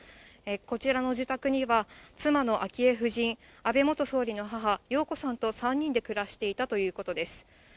こちらの自宅には、妻の昭恵夫人、安倍元総理の母、洋子さんと３人で暮らしていたということです。